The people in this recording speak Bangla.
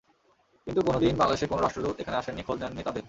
কিন্তু কোনো দিন বাংলাদেশের কোনো রাষ্ট্রদূত এখানে আসেননি, খোঁজ নেননি তাদের।